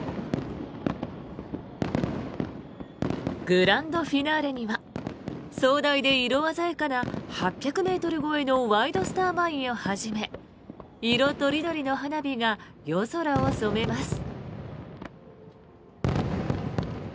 グランドフィナーレには壮大で色鮮やかな８００ｍ超えのワイドスターマインをはじめ色とりどりの花火が夜空を染めます。